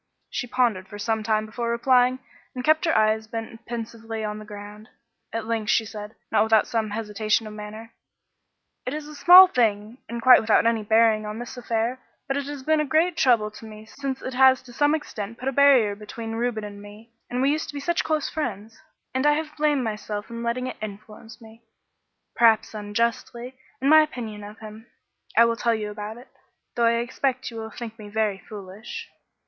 She pondered for some time before replying, and kept her eyes bent pensively on the ground. At length she said, not without some hesitation of manner "It is a small thing and quite without any bearing on this affair. But it has been a great trouble to me since it has to some extent put a barrier between Reuben and me; and we used to be such close friends. And I have blamed myself for letting it influence me perhaps unjustly in my opinion of him. I will tell you about it, though I expect you will think me very foolish.